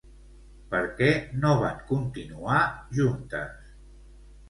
Per què no van continuar juntes?